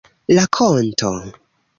rakonto